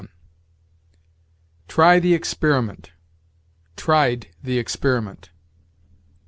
"Try the experiment"; "tried the experiment."